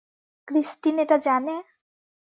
Christine এটা জানে?